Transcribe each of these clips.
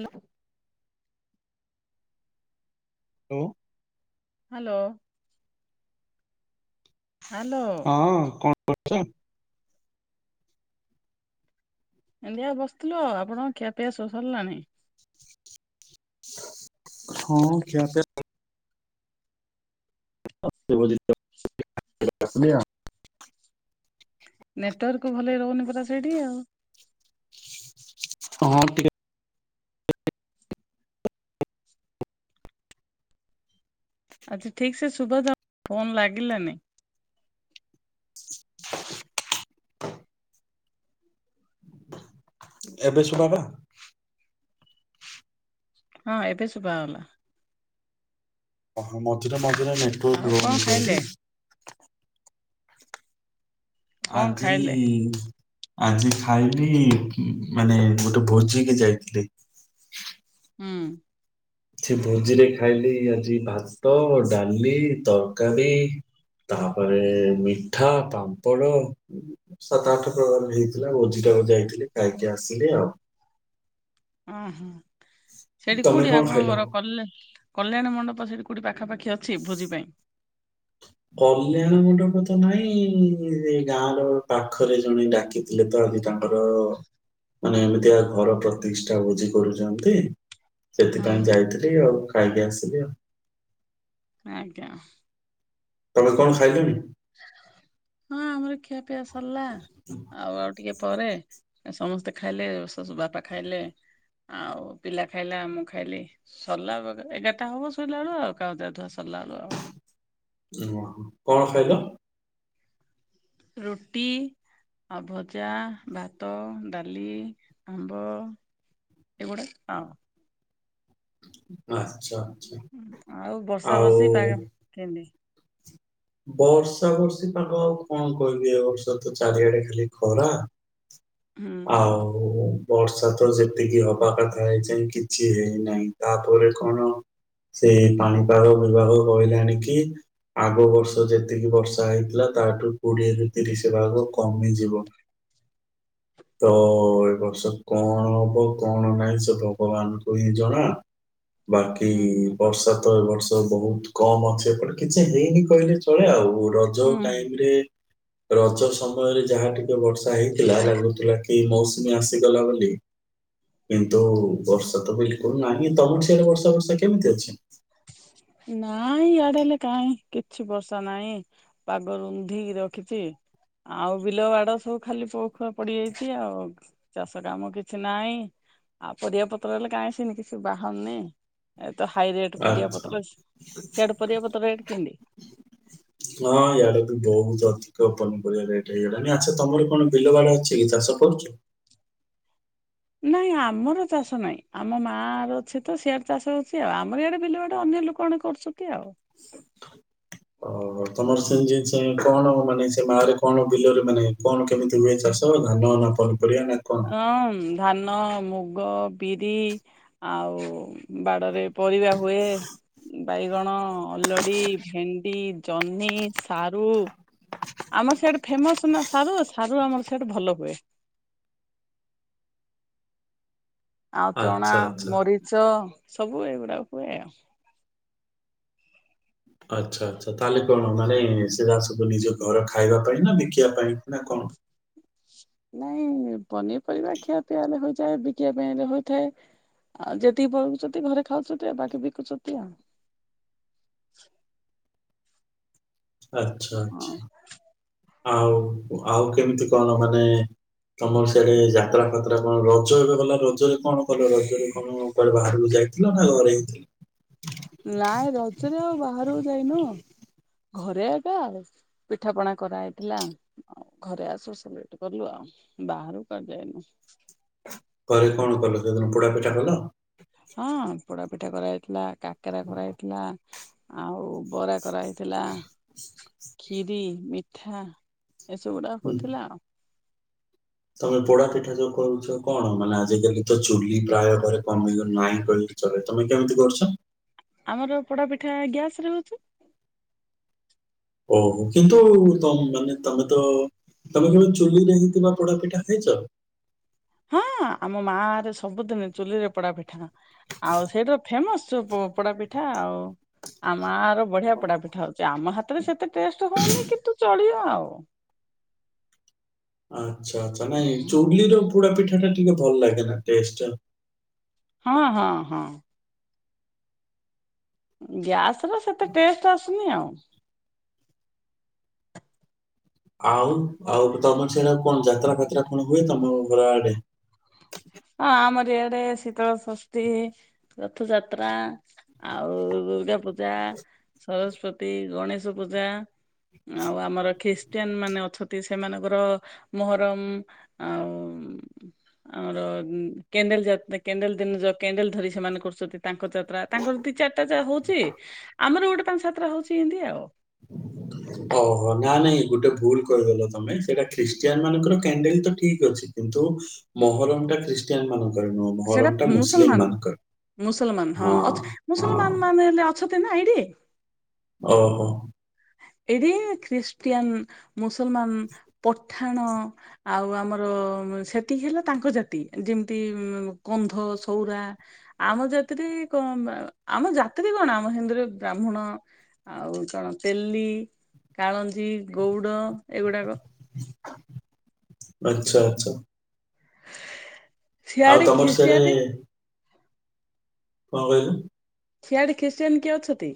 Hello. Hello. Hello. Hello. ହଁ, କଣ କରୁଛ? ଏମିତି ଆଉ ବସିଥିଲୁ, ଆପଣ ଖିଆ ପିଆ ସବୁ ସାରିଲାଣି? ହଁ, ଖିଆ ପିଆ ସ [unintelligible] ନେଟୱାର୍କ ଭଲକି ରହୁନି ପରା ସେଠି ଆଉ। ହଁ, ଟିକେ ଆଚ୍ଛା ଠିକ୍ ସେ ଶୁଭା ଯା, ଫୋନ୍ ଲାଗିଲାନି। ଏବେ ଶୁଭା ଗଲା? ହଁ, ଏବେ ଶୁଭା ଗଲା। ହଁ ହଁ, ମଝିରେ ମଝିରେ ଆଉ ନେଟୱାର୍କ କଣ ରହୁନି ତ ଖାଇଲେ ଏଠି। କଣ ଖାଇଲେ [inaudible] [inaudible] [inaudible] [inaudible] [inaudible] [inaudible] ତମେ କଣ ଖାଇଲ? [inaudible] [inaudible] [inaudible] [inaudible] ହୁଁ ହୁଁ [inaudible] [inaudible] [inaudible] [inaudible] [inaudible] [inaudible] [inaudible] [inaudible] [inaudible] [inaudible] [inaudible] [inaudible] ଆଉ [inaudible] [inaudible] ହୁଁ [inaudible] [inaudible] [inaudible] [inaudible] [inaudible] [inaudible] କମ ଅଛି ଏପଟେ ହୁଁ କିଛି ହେଇନି କହିଲେ ଚଳେ ଆଉ ରଜ ହୁଁ ହୁଁ ଟାଇମରେ ରଜ ସମୟରେ ଯାହା ଟିକେ ବର୍ଷା ହେଇଥିଲା ଲାନୁ ବାକି ମୌସୁମୀ ଆସିଗଲା ବୋଲି କିନ୍ତୁ ବର୍ଷା ତ ବିଲ୍ କୁଲ ନାହିଁ ତମର ସିଆଡେ ବର୍ଷା ଫର୍ଷା କେମିତି ଅଛି? ନାଇଁ ଇଆଡେ ହେଲେ କାଇଁ କିଛି ବର୍ଷା ନାଇଁ ପାଗ ରୁନ୍ଧିକି ରଖିଚି ଆଉ ବିଲ ବାଡ ସବୁ ଖାଲି ପୋଉଖୁଆ ପଡିଯାଇଛି ଆଉ। ଚାଷ କାମ କିଛି ନାଇଁ ଆଉ ପରିବା ପତ୍ର ଏଇଲେ କାଇଁ ସିନି କିଛି ବାହରୁନି ଏତ ହାଇ ରେ ଆଚ୍ଛା। ପରିବାପତ୍ର ସିଆଡେ ପରିବାପତ୍ର ରେଟ୍ କିନ୍ତି? ହଁ ଇଆଡେବି ବହୁତ ଅଧିକ ପନିପରିବା ରେଟ୍ ହେଇଗଲାଣି ଆଛା ତମର କଣ ବିଲବାଡ ଅଛି କି ଚାଷ କରୁଚୁ? ନାଇଁ ଆମର ଚାଷ ନାହିଁ ଆମ ମାର ଅଛି ତ ସିଆଡେ ଚାଷ ହୋଉଚି ଆଉ ଆମର ଇଆଡେ ବିଲବାଡ ଅନ୍ୟ ଲୋକମାନେ କରୁଚନ୍ତି ଆଉ। ଓ ତମର ସେଇ ଜିନଷ କଣ ମାନେ ସେ ମାରେ କଣ ବିଲରେ ମାନେ କଣ କେମିତି ହୁଏ ଚାଷ ତ ଧାନମାନ ପନିପରିବା ନା କଣ? ହଁ ମ୍ ଧାନ ମୁଗ ବିରି ଆଉ ବାଡ଼ରେ ପରିବା ହୁଏ ଉଁ ବାଇଗଣ ଅଲଡ଼ି ଭେଣ୍ଡି ଜହ୍ନି ସାରୁ ଆମର ସିଆଡ଼େ ଫେମସ ନା ସାରୁ ସାରୁ ଆମର ସିଆଡ଼େ ଭଲ ହୁଏ। ଆଉ ଚଣା ଆଚ୍ଛା ଆଚ୍ଛା। ମରିଚ ସବୁ ଏଗୁଡାକ ହୁଏ ଆଉ। ଆଛା ଆଛା ତାହେଲେ କଣ ମାନେ ସେରା ସବୁ ନିଜ ଘର ଖାଇବା ପାଇଁ ନା ବିକିବା ପାଇଁ ନା କଣ? ନାଇଁ ପନିପରିବା ଖିଆ ପିଆରେ ହୋଇଯାଏ ବିକିବା ପାଇଁ ବି ହୋଇଥାଏ ଆଉ ଯେତିକି ପଳଉଚନ୍ତି ଘରେ ଖାଉଚନ୍ତି ଆଉ ବାକି ବିକୁଚନ୍ତି ଆଉ। ଆଛା ହଁ ଆଛା ଆଉ ଆଉ କେମିତି କଣ ମାନେ ତମର ସିଆଡେ ଯାତ୍ରା ଫାତ୍ରା କଣ ରଜ ଏବେ ଗଲା ରଜରେ କଣ କଲେ ରଜରେ କଣ କୁଆଡେ ବାହାରକୁ ଯାଇଥିଲ ନା ଘରେ ହିଁ ଥିଲ? ନାଇଁ ରଜରେ ଆଉ ବାହାରକୁ ଯାଇନୁ ଘରେ ଏକା ଆଉ ପିଠାପଣା କରାହେଇଥିଲା। ଆଉ ଘରେ ଆସ ସେଳିବ୍ରେଟ କରିବା ଆଉ ବାହାରୁ କୁଆଡେ ଯାଇନୁ। ଘରେ କଣ କଲ ସେଦିନ ପୋଡା ପିଠା କଲ? ହଁ ପୋଡା ପିଠା କରାହେଇଥିଲା କାକରା କରାହେଇଥିଲା ଆଉ ବରା କରାହେ ଥିଲା କ୍ଷୀରି ମିଠା ଏସବୁ ଗୁଡ଼ାକ ହୁଁ, ହୋଇଥିଲା ଆଉ। ତମେ ପୋଡା ପିଠା ଯୋଉ କରୁଛ କଣ ମାନେ ଆଜିକାଲି ତ ଚୁଲି ପ୍ରାୟ ଘରେ କମିଗଲାଣି ନାହିଁ [unintelligible] ଚଲେ ତମେ କେମିତି କରୁଛ? ଆମର ପୋଡ ପିଠା ଗ୍ୟାସ ରେ ହୋଉଛି। ଓହୋ କିନ୍ତୁ ତମ୍ ମାନେ ତମେ ତ ତମେ କେବେ ଚୁଲିରେ ହେଇଥିବା ପୋଡପିଠା ଖାଇଚ? ହଁ ଆମ ମା ଅରେ ସବୁଦିନେ ଚୁଲିରେ ପୋଡା ପିଠା ଆଉ ସେଇଟା ଫେମସ ପୋ ପୋଡା ପିଠା ଆଉ ଆ ମାର ବଢିଆ ପୋଡା ପିଠା ହୋଉଛି ଆମ ହାତରେ ସେତେ ଟେଷ୍ଟ ହଉନି କିନ୍ତୁ ଚଳିବ ଆଉ। ଆଛା ଆଛା ନାଇଁ ଚୁଡଲି ର ପୋଡ଼ ପିଠା ଟା ଟିକେ ଭଲ ଲାଗେ ନା ଟେଷ୍ଟ। ହଁ ହଁ ହଁ। ଗ୍ୟାସରେ ସେତେ ଟେଷ୍ଟ ଆସୁନି ଆଉ। ଆଉ ଆଉ ତମର ସିଆଡେ ଆଉ କଣ ଯାତ୍ରା ଫାତ୍ରା କଣ ହୁଏ ତମ ଘର ଆଡେ? ହଁ ଆମର ଇଆଡେ ଶୀତଳ ଷଷ୍ଠୀ ରଥଯାତ୍ରା ଆଉ ଦୁର୍ଗା ପୂଜା ସରସ୍ବତୀ ଗଣେଶ ପୂଜା ଆଉ ଆମର ଖ୍ରୀଷ୍ଟିଆନ୍ ମାନେ ଅଛତି ସେମାନଙ୍କର ମହରମ୍ ଆଉ ଉଁ ଆମର ଉଁ କ୍ୟାଣ୍ଡେଲ ଯାତ୍ରା କ୍ୟାଣ୍ଡେଲ ଦିନ [unintelligible] କ୍ୟାଣ୍ଡେଲ ଧରି ସେମାନେ କରୁଛନ୍ତି ତାଙ୍କ ଯାତ୍ରା ତାଙ୍କର ଦି ଚାରିଟା ଯା ହଉଛି ଆମର ଗୋଟେ ପାନ୍ ସାତେଟା ହଉଛି ଇନ୍ତି ଆଉ। ଓହୋ ନା ନାଇଁ ଗୋଟେ ଭୁଲ କହିଦେଲ ତମେ ସେଇଟା ଖ୍ରୀଷ୍ଟିଆନମାନଙ୍କର କ୍ୟାଣ୍ଡେଲ ତ ଠିକ୍ ଅଛି କିନ୍ତୁ ମହରମଟା ଖ୍ରୀଷ୍ଟିଆନମାନଙ୍କର ନୁହଁ ମହରମଟା ମୁସଲିମମାନଙ୍କର। ମୁସଲମାନ୍ ହଁ ଅଛ ମୁସଲମାନ ମାନେ ହେଲେ ଅଛତି ନା ଏଇଠି। ଓହୋ। ଏଇଠି ଖ୍ରୀଷ୍ଟିଆନ୍ ମୁସଲମାନ୍ ପଠାଣ ଆଉ ଆମର ଉଁ ସେତିକି ହେଲା ତାଙ୍କ ଜାତି ଯେମତି ଉଁ କନ୍ଧ ସଉରା ଆମ ଜାତିରେ ଇଏ କଁ ବା ଆମ ଜାତିରେ କଣ ଆମ ହିନ୍ଦୁରେ ବ୍ରାହ୍ମୁଣ ଆଉ କଣ ତେଲି କାଳନ୍ଦୀ ଗଉଡ ଏଇଗୁଡାକ ଆଚ୍ଛା ଆଚ୍ଛା। ଆଉ ସିଆଡେ ତମର ସିଆଡେ ଖ୍ରୀଷ୍ଟିଆନେ କଁ କହିଲ? ସିଆଡେ ଖ୍ରୀଷ୍ଟିଆନ୍ କିଏ ଅଛତି?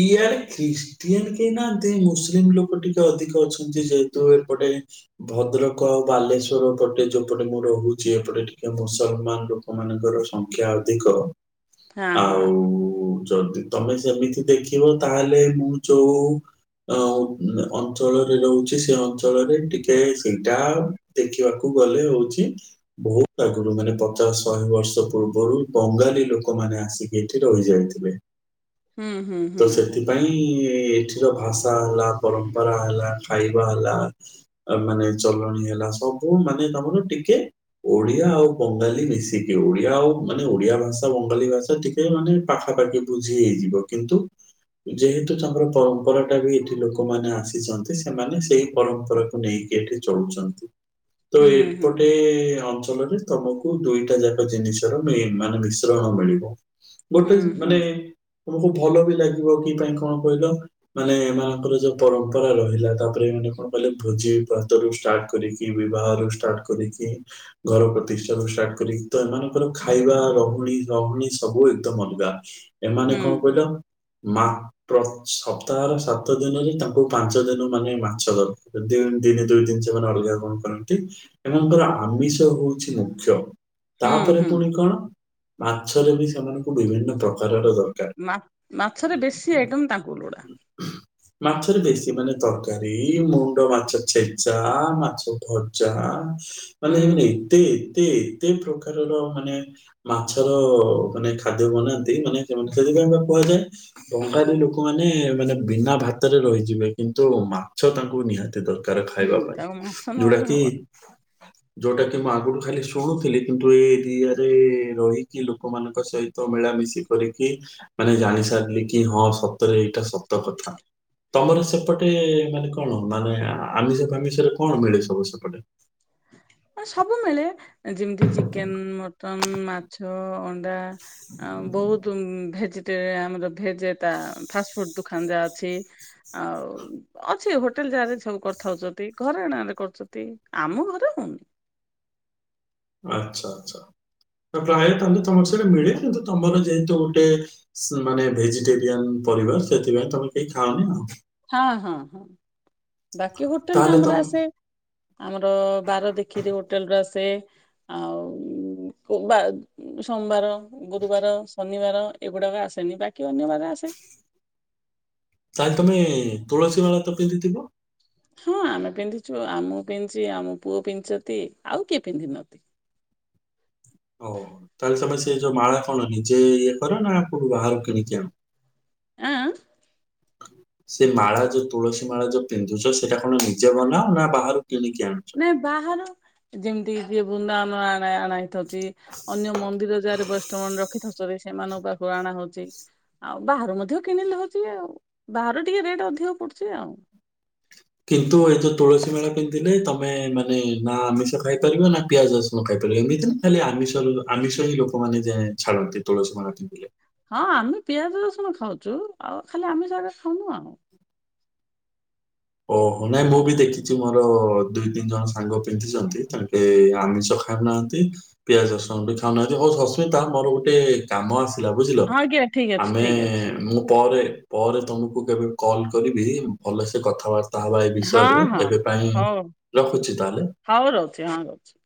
ଇଆଡେ ଖ୍ରୀଷ୍ଟିଆନ୍ କେହି ନାହାନ୍ତି ମୁସଲିମ୍ ଲୋକ ଟିକେ ଅଧିକ ଅଛନ୍ତି ଯେହେତୁ ଏପଟେ ଭଦ୍ରକ ଆଉ ବାଲେଶ୍ଵର ପଟେ ଯୋଉ ପଟେ ମୁଁ ରହୁଛି ଏପଟେ ଟିକେ ମୁସଲମାନ୍ ଲୋ କ ମାନଙ୍କର ସଂଖ୍ୟା ଅଧିକ ହଁ ହଁ ଆଉ ଯଦି ତମେ ସେମିତି ଦେଖିବ ତାହେଲେ ମୁଁ ଯୋଉ ଅ [unintelligible] ଅଞ୍ଚଳରେ ରହୁଛି ସେ ଅଞ୍ଚଳରେ ଟିକେ ସେଇଟା ଦେଖିଆକୁ ଗଲେ ହଉଛି ବୋହୁତ ଆଗୁରୁ ମାନେ ପଚାଶ ଶହେ ବର୍ଷ ପୂର୍ବରୁ ବଙ୍ଗାଳୀ ଲୋକମାନେ ଆସି ଏଠି ରହିଯାଇଥିଲେ। ହୁଁ ହୁଁ। ତ ସେଥିପାଇଁ ଏଇଠିର ଭାଷା ହେଲା ପରମ୍ପରା ହେଲା ଖାଇବା ହେଲା ଆଉ ମାନେ ଚଲଣି ହେଲା ସବୁ ମାନେ ତମର ଟିକେ ଓଡିଆ ଆଉ ବଙ୍ଗାଲୀ ମିଶିକି ଓଡିଆ ଆଉ ମାନେ ଓଡିଆ ଭାଷା ବଙ୍ଗାଳୀ ଭାଷା ଟି କେ ମାନେ ପାଖାପାଖି ବୁଝି ହେଇଯିବ କିନ୍ତୁ ଯେହେତୁ ତାଙ୍କର ପରମ୍ପରାଟା ବି ଏଠି ଲୋକମାନେ ଆସିଚନ୍ତି ସେମାନେ ସେଇ ପରମ୍ପରା କୁ ନେଇକି ଏଠି ଚଳୁଛନ୍ତି ତ ହୁଁ ଏପଟେ ଅଛ ଓଲଟି ତମକୁ ଦୁଇଟା ଯାକ ଜିନିଷର ମେନ୍ ମାନେ ମିଶ୍ରଣ ମିଳିବ। ଗୋଟେ ହୁଁ ହୁଁ ହୁଁ ମାନେ ତୁମକୁ ଭଲ ବି ଲାଗିବ କି କାଇଁ କଣ ପାଇଁ ନା ମାନେ ଏମାନଙ୍କର ଯୋଉ ପରମ୍ପରା ରହିଲା ତାପରେ ଏମାନେ କଣ କହିଲ ଭୋଜି ଭାତରୁ ଷ୍ଟାଟ୍ କରିକି ବିବାହରୁ ଷ୍ଟାଟ୍ କରିକି ଘର ପ୍ରତିଷ୍ଠାରୁ ଷ୍ଟାଟ୍ କରିକି ତ ଏମାନଙ୍କର ଖାଇବା ରହୁଣୀ ରହୁଣୀ ସବୁ ଏକଦମ୍ ଅଲଗା। ହୁଁ ଏମାନେ କଣ ହୁଁ କହିଲ ମା ପ୍ର ସପ୍ତାହର ସାତ ଦିନରେ ତାଙ୍କୁ ପାଞ୍ଚ ଦିନ ମାନେ ମାଛ ଦର ଏ ଦିନ୍ ଦିନେ ଯୋଉ ଜିନିଷ ମାନେ ଅଲଗା କଣ କରନ୍ତି ଏମାନଙ୍କର ଆମିଷ ହଉଛି ମୁଖ୍ୟ। ହୁଁ ତାପରେ ହୁଁ ପୁଣି କଣ ମାଛେରେ ବି ସେମାନଙ୍କୁ ବିଭିନ୍ନ ପ୍ରକାରର ଦର ମା ମାଛେରେ ବେଶୀ ଆଇଟମ୍ ତାଙ୍କୁ ଲୋଡା। ହଁ ମାଛରେ ବେଶୀ ମାନେ ତରକାରୀ, ମୁଣ୍ଡ ମାଛ ଛେଚା ମାଛ ଯାହା ମାନେ ହୁଁ ଏତେ, ଏତେ, ଏତେ ପ୍ରକାରର ମାନେ ମାଛର, ମାନେ ଖାଦ୍ୟ ବନାନ୍ତି, ମାନେ ସେଥିପାଇଁ ପା କୁହାଯାଏ। ବଙ୍ଗାଳୀ ଲୋକମାନେ, ମାନେ ବିନା ଭାତରେ ରହିଯିବେ, କିନ୍ତୁ ମାଛ ତାଙ୍କୁ ନିହାତି ଦରକାର। ତାର ହୁଁ ଖାଇବା ପାଇଁ ତାକୁ ମାଛ ଯୋଉଟା ନହେଲେ କିି ହବନି ଯୋଉଟା କି ମୁଁ ଆଗରୁ ଖାଲି ଶୁଣୁଥିଲି କିନ୍ତୁ ଏଇ ଦୀ ଥର ରହିକି ଲୋକମାନଙ୍କ ସହିତ ମିଳାମିଶି କରିକି ମାନେ ଜାଣି ସାରିଲି କି, ହଁ ସତରେ ଏଇଟା ସତ କଥା। ତମର ସେପଟେ, ମାନେ କଣ ମାନେ ଆମିଷ ଫାମିଷରେ କଣ ମିଳେ ସବୁ ସେପଟେ? ସବୁ ମିଳେ ଯେମିତି ଚିକେନ, ମଟନ, ମାଛ, ଅଣ୍ଡା। ଆ ବହୁତ ଭେଜି ଆମର ଭେଜ ଏତା ଫାଷ୍ଟଫୁଡ ଦୋକାନ ଯାହା ଅଛି। ଆଉ ଅଛି, ହୋଟେଲ ଯାକରେ ଅଛି ସବୁ କରିଥାଉଛନ୍ତି, ଘରେ ନହେଲେ କରୁଛନ୍ତି ଆମ ଘରେ ହଉନି। ଆଚ୍ଛା ଆଚ୍ଛା, ପ୍ରାୟ ତାହେଲେ ତମ ସେଡେ ମିଳେ କିନ୍ତୁ ତମର ଯେହେତୁ ଗୋଟେ ମାନେ ଭେଜିଟେରିଆନ ପରିବାର, ସେଥିପାଇଁ ତମେ କେହି ଖାଅନି ଆଉ। ହଁ ହଁ ହଁ ବାକି ହୋଟେଲ ରୁ ତାହେଲେ ଆମର ତମ ଆସେ। ଆମର ବାର ଦେଖିକି ଯଉ ହୋଟେଲ ରୁ ଆସେ ଆଉ ସୋମବାର, ଗୁରୁବାର, ଶନିବାର ଏଗୁଡାକ ଆସେନି ବାକି ଅନ୍ୟ ବାରରେ ଆସେ। ତାହେଲେ ଲେ ତମେ ତୁଳସୀ ମାଳ ତ ପିନ୍ଧିଥିବ। ହଁ ଆମେ ପିନ୍ଧିଛୁ, ଆଉ ମୁଁ ପିନ୍ଧିଛି ଆମ ପୁଅ ପିନ୍ଧିଛନ୍ତି, ଆଉ କିଏ ପିନ୍ଧିନାହାନ୍ତି। ଓ ତାହେଲେ ତମେ ସେ ଯୋଉ ମାଳ କଣ, ନିଜେ ଇଏ କର ନା କୋଠୁ ବାହାରୁକୁ କିଣିକି ଆଣ। ଆଁ ସେ ମାଳ ଯୋଉ, ତୁଳସୀ ମାଳା ଯୋଉ ପିନ୍ଧୁଛ, ସେଇଟା କଣ ନିଜେ ବନାଅ, ନା ବାହାରୁ କିଣିକି ଆଣ। ବାହାରୁ ଯେମିତି ଯିଏ ବୃନ୍ଦାବନ ଆଣା ହେଇଥାଉଛି, ଅନ୍ୟ ମନ୍ଦିର ଯାଏ ବୈଷ୍ଣବ ରଖିଥାଉଛନ୍ତି, ସେମାନଙ୍କ ପାଖରୁ ଅଣାହଉଛି। ଆଉ ବାହାରୁ ମଧ୍ୟ କିଣିଲେ ହଉଛି ଆଉ ବାହାରୁ ଟିକେ ରେଟ୍ ଅଧିକ ପଡୁଛି ଆଉ। କିନ୍ତୁ ଏ ଯୋଉ ତୁଳସୀ ମାଳା ପିନ୍ଧିଲେ, ତମେ ମାନେ ନା ଆମିଷ ଖାଇପାରିବ ନା ପିଆଜ ରସୁଣ। ଖାଇପାରବେ, ଏମିତି ନା ଖାଲି ଆମିଷ ଆମିଷ ହିଁ ଲୋକମାନେ ଯେ ଛାଡନ୍ତି ତୁଳସୀ ମାଳା ପିନ୍ଧିଲେ। ହଁ ଆମେ ପିଆଜ, ରସୁଣ ଖାଉଛୁ, ଆଉ ଖାଲି ଆମିଷ ଜାହା ଖାଉନୁ ଆଉ। ଓହୋ ନାଇଁ ମୁଁ ବି ଦେଖିଛି ମୋର ଦୁଇ ତିନି ଜଣ ସାଙ୍ଗ ପିନ୍ଧିଛନ୍ତି ତାଙ୍କେ ଆମିଷ ଖାଉନାହାନ୍ତି ପିଆଜ, ରସୁଣ ବି ଖାଉନାହାନ୍ତି ହଉ ଅସ୍ମିତା ମୋର ଗୋଟେ କାମ ଆସିଲା ବୁଝିଲ, ହଁ ଆଜ୍ଞା ଠିକ୍ ଅଛି ଆମେ ଠିକ୍ ଅଛି ମୁଁ ପରେ ପରେ ତମକୁ କେବେ କଲ୍ କରିବି, ଭଲସେ କଥାହବା। ଥାଉ ଏ ହଁ ବିଷୟରେ ହଁ ଏବେ ପାଇଁ ହଉ ରଖୁଛି ତାହେଲେ। ହଉ ରହୁଛି ହଁ ରହୁଛି।